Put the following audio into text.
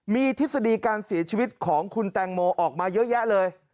มีทฤษฎีการเสียชีวิตของคุณแตงโมออกมาเยอะแยะเลย